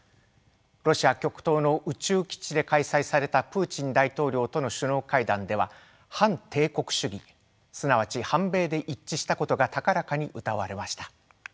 ロシア極東の宇宙基地で開催されたプーチン大統領との首脳会談では反帝国主義すなわち反米で一致したことが高らかにうたわれました。